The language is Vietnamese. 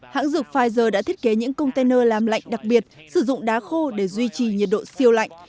hãng dược pfizer đã thiết kế những container làm lạnh đặc biệt sử dụng đá khô để duy trì nhiệt độ siêu lạnh